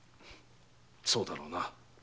そうだろうな。